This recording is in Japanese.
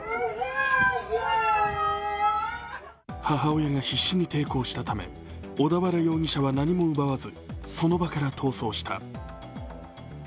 母親が必死に抵抗したため小田原容疑者は何も奪わずその場から逃走した。